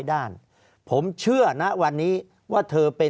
ภารกิจสรรค์ภารกิจสรรค์